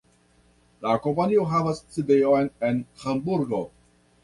La kompanio havas sidejon en Hamburgo.